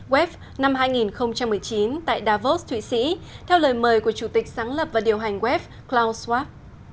wef năm hai nghìn một mươi chín tại davos thụy sĩ theo lời mời của chủ tịch sáng lập và điều hành wef klaus schwab